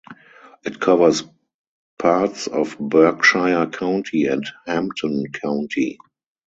It covers parts of Berkshire County and Hampden County.